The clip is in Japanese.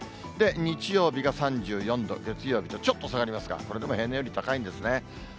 日曜日が３４度、月曜日とちょっと下がりますが、これでも平年より高いんですね。